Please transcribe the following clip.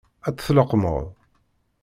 Ad tt-tleqqmeḍ?